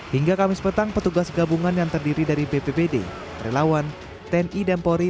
hingga kamis petang petugas gabungan yang terdiri dari bpbd relawan tni dan polri